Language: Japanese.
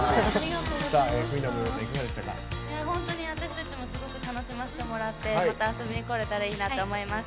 私たちもすごく楽しませてもらってまた遊びにこれたらいいなって思います。